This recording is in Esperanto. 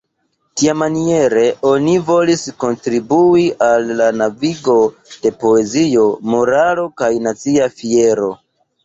Tiamaniere oni volis kontribui al la novigo de poezio, moralo kaj nacia fiero.